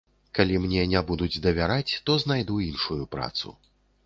Калі мне не будуць давяраць, то знайду іншую працу.